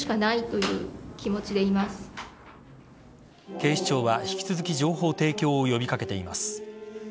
警視庁は引き続き情報提供を呼び掛けています。